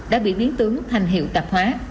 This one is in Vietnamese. đã bị biến tướng thành hiệu tạp hóa